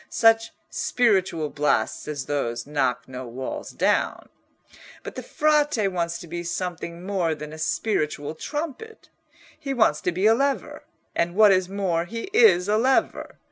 Such spiritual blasts as those knock no walls down. But the Frate wants to be something more than a spiritual trumpet: he wants to be a lever, and what is more, he is a lever.